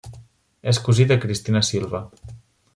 És cosí de Cristina Silva.